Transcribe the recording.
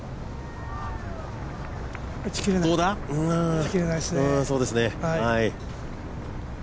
打ち切れないですね。